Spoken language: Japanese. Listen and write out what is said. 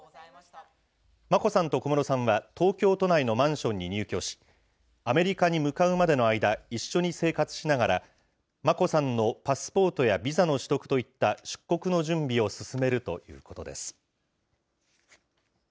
眞子さんと小室さんは東京都内のマンションに入居し、アメリカに向かうまでの間、一緒に生活しながら、眞子さんのパスポートやビザの取得といった出国の準備を進めるということです。